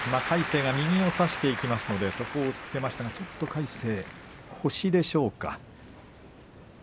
魁聖が右を差していきますのでそこを押っつけましたがちょっと魁聖は腰でしょうか。